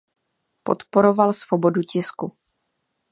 Podporoval svobodu tisku.